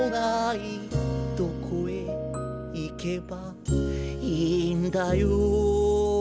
「どこへ行けばいいんだよ」